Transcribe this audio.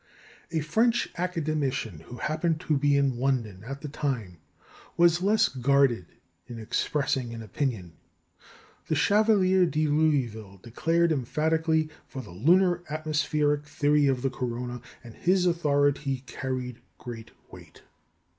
" A French Academician, who happened to be in London at the time, was less guarded in expressing an opinion. The Chevalier de Louville declared emphatically for the lunar atmospheric theory of the corona, and his authority carried great weight.